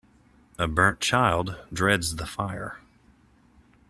A burnt child dreads the fire.